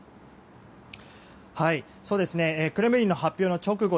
クレムリンの発表の直後